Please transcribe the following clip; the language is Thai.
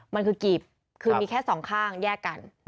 มันคือกีบคือมีแค่สองข้างแยกกัน